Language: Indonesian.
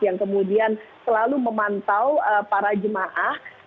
yang kemudian selalu memantau para jemaah